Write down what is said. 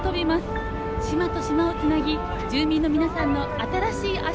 島と島をつなぎ住民の皆さんの新しい足となるのです。